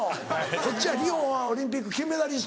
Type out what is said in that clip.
こっちはリオオリンピック金メダリスト。